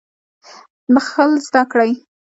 بخښل زده کړئ